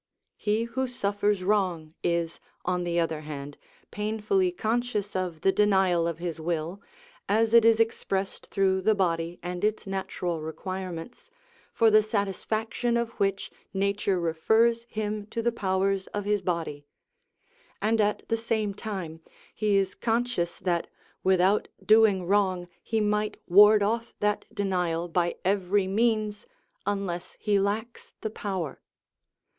He who suffers wrong is, on the other hand, painfully conscious of the denial of his will, as it is expressed through the body and its natural requirements, for the satisfaction of which nature refers him to the powers of his body; and at the same time he is conscious that without doing wrong he might ward off that denial by every means unless he lacks the power.